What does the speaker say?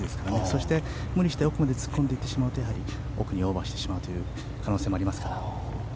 そして無理して奥まで突っ込んでしまうとやはり奥にオーバーしてしまうという可能性もありますから。